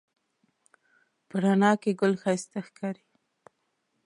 په رڼا کې ګل ښایسته ښکاري